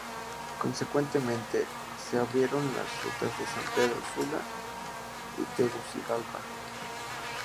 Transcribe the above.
Consecuentemente se abrieron las rutas de San Pedro Sula y Tegucigalpa.